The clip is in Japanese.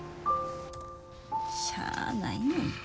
しゃあないねんて。